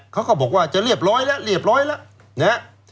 เขาก็บอกว่าจะเรียบร้อยแล้วเรียบร้อยแล้วนะฮะ